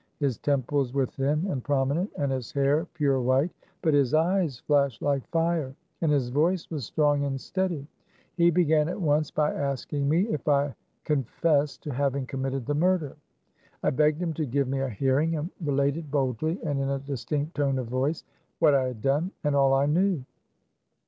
His temples were thin and prominent, and his hair pure white ; but his eyes flashed like fire, and his \ voice was strong and steady. He pija' i \ began at once by asking me if I con ^ esse ^ to ^ ay i n g committed the mur( i er * I begged him to give fup* me a hearing, and related boldly, and in a distinct tone of voice, what I had done, and all I knew.